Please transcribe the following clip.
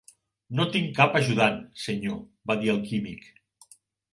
"No tinc cap ajudant, Senyor", va dir el químic.